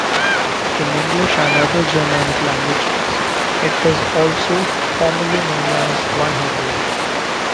In English and other Germanic languages, it was "also" formerly known as "one hundred".